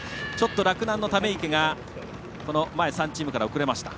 洛南の溜池が前３チームから遅れました。